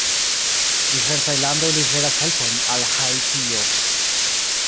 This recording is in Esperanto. Diversaj landoj liveras helpojn al Haitio.